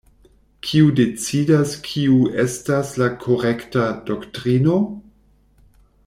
Kiu decidas kiu estas la "korekta" doktrino?